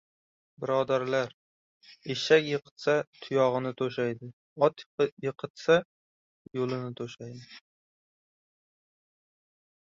Birodarlar, eshak yiqitsa, tuyog‘ini to‘shaydi, ot yiqitsa, yolini to‘shaydi!